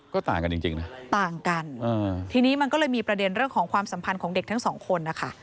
ก็ต่างกันจริงนะต่างกันทีนี้มันก็เลยมีประเด็นเรื่องของความสัมพันธ์ของเด็กทั้งสองคนนะคะ